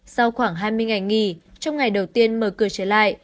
sau khoảng hai mươi ngày nghỉ trong ngày đầu tiên mở cửa trở lại